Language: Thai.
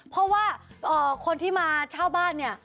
เพราะว่าคนที่มาเช่าบ้าน